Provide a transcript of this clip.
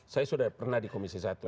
saya sudah pernah di komisi satu